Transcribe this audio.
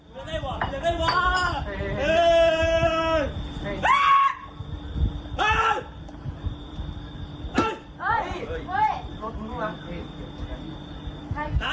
สวัสดีครับท่านครู